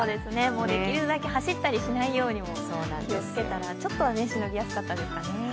できるだけ走ったりしないように気をつけたら、ちょっとはしのぎやすかったですかね。